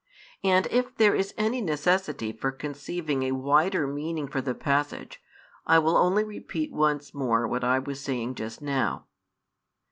And if there is any necessity for conceiving a wider meaning for the passage, I will only repeat once more what I was saying just now.